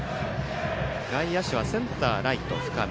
外野手はセンター、ライト深め。